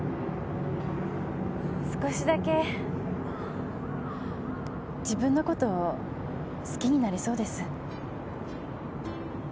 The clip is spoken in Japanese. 少しだけ自分のこと好きになれそうです。